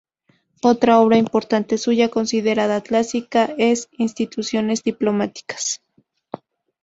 Otra obra importante suya considerada clásica es "Instituciones diplomáticas".